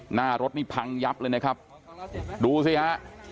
หน้ารถนี่พังยับเลยนะครับดูสิฮะ